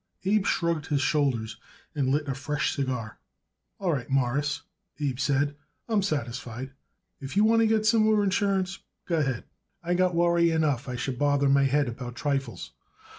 Abe shrugged his shoulders and lit a fresh cigar. "All right, Mawruss," Abe said; "I'm satisfied. If you want to get some more insurance, go ahead. I got worry enough I should bother my head about trifles.